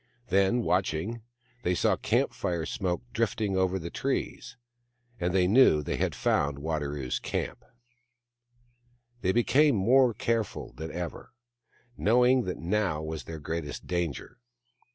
Then, watch ing, they saw camp fire smoke drifting over the trees ; and they knew they had found Wadaro's camp. They became more careful than ever, knowing that now was their greatest danger.